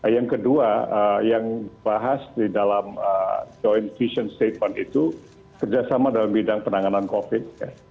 yang kedua yang dibahas di dalam joint vision statement itu kerjasama dalam bidang penanganan covid